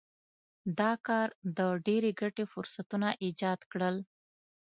دا کار د ډېرې ګټې فرصتونه ایجاد کړل.